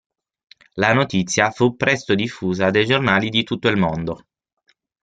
La notizia fu presto diffusa dai giornali di tutto il mondo.